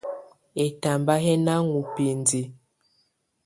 Ɛtamba yɛ ná ŋɔ́ bindiǝ́.